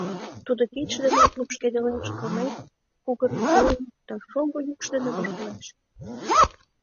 Тудо кидше дене лупшкедылеш, кылмен кугыргылеш да шоҥго йӱкшӧ дене воштылеш.